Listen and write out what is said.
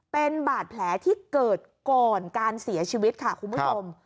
เป็นบาดแผลที่เกิดก่อนการเสียชีวิตค่ะคุณผู้ชม